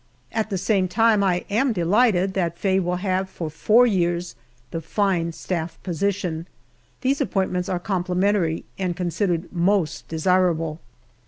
At the same time I am delighted that Faye will have for four years the fine staff position. These appointments are complimentary, and considered most desirable.